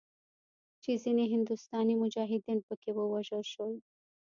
چې ځینې هندوستاني مجاهدین پکښې ووژل شول.